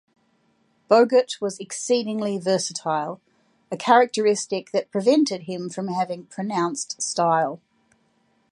Bogert was exceedingly versatile, a characteristic that prevented him from having pronounced style.